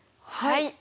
はい。